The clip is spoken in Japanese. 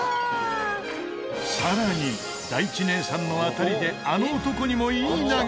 さらに大地姐さんの当たりであの男にもいい流れが！